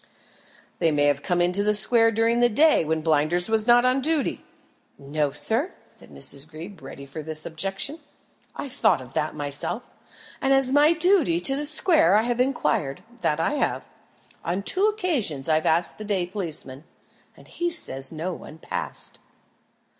"They may have come into the square during the day, when Blinders was not on duty." "No, sir," said Miss Greeb, ready for this objection. "I thought of that myself, and as my duty to the square I have inquired that I have. On two occasions I've asked the day policeman, and he says no one passed."